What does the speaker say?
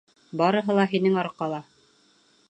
Барыһы ла һинең арҡала.